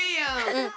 うん！